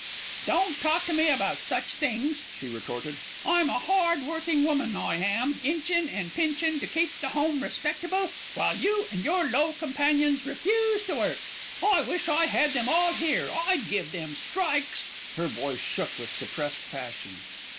"Don't talk to me about such things," she retorted. "I'm a hardworking woman, I am, inchin' and pinchin' to keep the home respectable, while you and your low companions refuse to work. I wish I had them all here, I'd give them strikes." Her voice shook with suppressed passion.